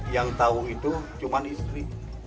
yang tahu itu cuma istri